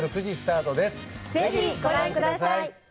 ぜひご覧ください。